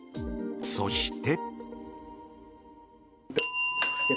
そして。